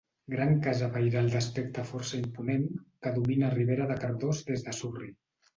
Gran casa pairal d'aspecte força imponent que domina Ribera de Cardós des de Surri.